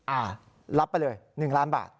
อ่ารับไปเลย๑ล้านบาท